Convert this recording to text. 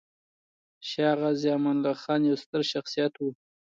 شاه غازي امان الله خان يو ستر شخصيت و.